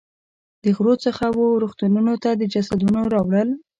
د غرو څخه وه رغتونونو ته د جسدونو راوړل.